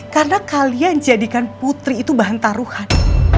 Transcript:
karena kalian jadikan putri itu bahan taruhan